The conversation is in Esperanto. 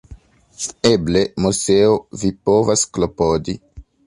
Eble, Moseo; vi povos klopodi.